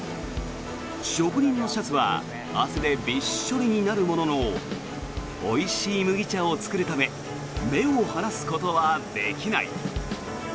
職人のシャツは汗でびっしょりになるもののおいしい麦茶を作るため目を離すことはできない。